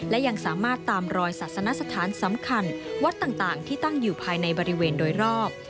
และยังสามารถตามรอยศาสนสถานสำคัญวัดต่างที่ตั้งอยู่ภายในบริเวณโดยรอบ